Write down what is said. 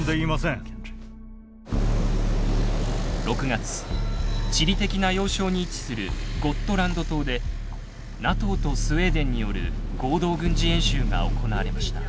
６月地理的な要衝に位置するゴットランド島でＮＡＴＯとスウェーデンによる合同軍事演習が行われました。